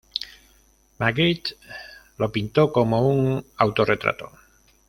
Magritte lo pintó como un autorretrato.